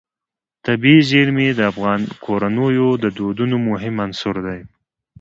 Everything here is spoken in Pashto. طبیعي زیرمې د افغان کورنیو د دودونو مهم عنصر دی.